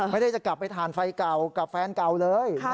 ไม่ได้จะกลับไปฐานไฟเก่ากับแฟนเก่าเลย